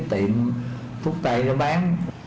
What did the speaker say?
ở cái tiệm thuốc tài ra bán